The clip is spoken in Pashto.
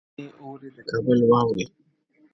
پر زړه مي اوري د کابل واوري -